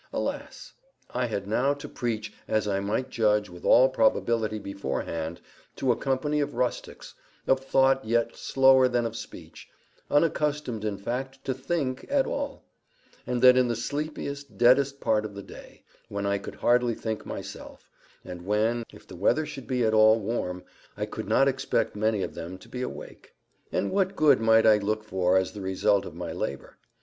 Alas! I had now to preach, as I might judge with all probability beforehand, to a company of rustics, of thought yet slower than of speech, unaccustomed in fact to THINK at all, and that in the sleepiest, deadest part of the day, when I could hardly think myself, and when, if the weather should be at all warm, I could not expect many of them to be awake. And what good might I look for as the result of my labour?